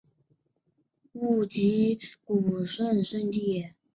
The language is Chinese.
勿吉古肃慎地也。